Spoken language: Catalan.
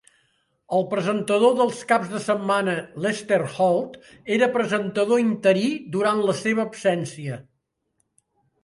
El presentador dels caps de setmana, Lester Holt, era presentador interí durant la seva absència.